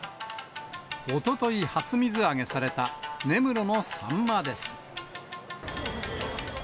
おととい、初水揚げされた根室のサンマです。